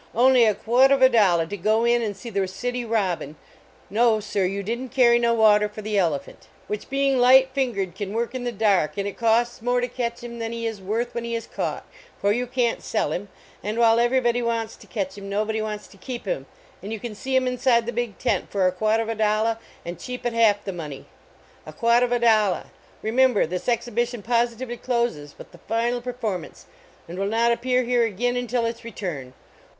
Only a quatovadollah to go in and see the City Robin no, sir, you didn t carry no water for the Elephant which, being light fingered, can work in the dark, and it costs more to catch him than he is worth when he is caught, for you can t sell him, and while everybody wants to catch him, nobody wants to keep him, and you can see him inside the big tent for a quatovadol lah, and cheap at half the money. A quatovadollah ! Remember, this exhi bition positively close> with the final per formance, and will not appear here again un til its return.